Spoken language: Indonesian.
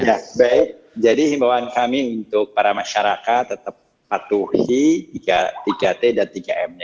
ya baik jadi himbawan kami untuk para masyarakat tetap patuhi tiga t dan tiga m nya